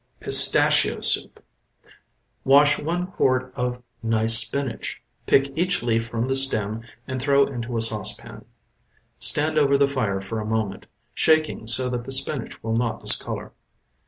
PISTACHIO SOUP Wash one quart of nice spinach. Pick each leaf from the stem and throw into a saucepan; stand over the fire for a moment, shaking so that the spinach will not discolor.